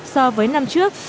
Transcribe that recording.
so với năm trước